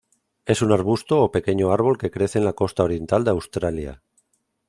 Es un arbusto o pequeño árbol que crece en la costa oriental de Australia.